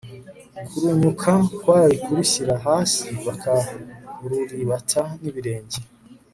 kurunyuka kwari kurushyira hasi bakaruribata n'ibirenge